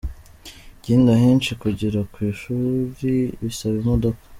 Ikindi, ahenshi kugera ku ishuri bisaba imodoka.